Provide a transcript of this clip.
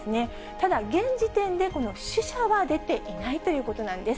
ただ、現時点で、この死者は出ていないということなんです。